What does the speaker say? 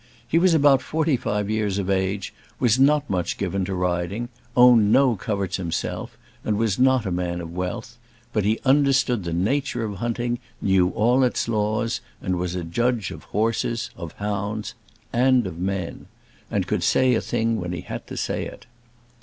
He was about forty five years of age, was not much given to riding, owned no coverts himself, and was not a man of wealth; but he understood the nature of hunting, knew all its laws, and was a judge of horses, of hounds, and of men; and could say a thing when he had to say it.